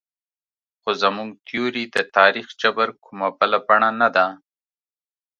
خو زموږ تیوري د تاریخ جبر کومه بله بڼه نه ده.